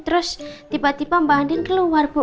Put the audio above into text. terus tiba tiba mbak andin keluar bu